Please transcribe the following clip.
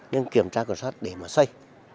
nhưng kiểm tra cẩn soát để mà xây